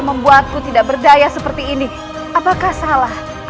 menjadi pelayan dinda